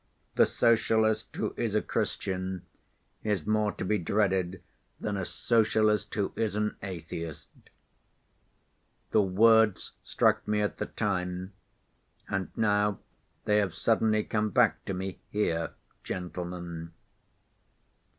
The socialist who is a Christian is more to be dreaded than a socialist who is an atheist.' The words struck me at the time, and now they have suddenly come back to me here, gentlemen."